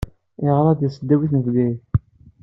Yeɣṛa di tesdawit n Bgayet.